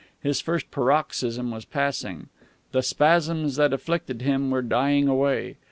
His first paroxysm was passing. The spasms that afflicted him were dying away.